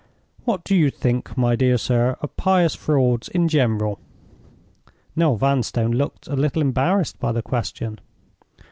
What do you think, my dear sir, of pious frauds in general?" Noel Vanstone looked a little embarrassed by the question.